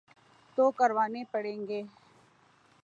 تو کروانے پڑیں گے۔